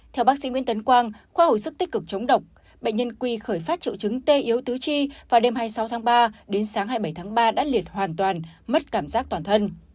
theo bác sĩ nguyễn tấn quang khoa hồi sức tích cực chống độc bệnh nhân quy khởi phát triệu chứng tê yếu tứ chi vào đêm hai mươi sáu tháng ba đến sáng hai mươi bảy tháng ba đã liệt hoàn toàn mất cảm giác toàn thân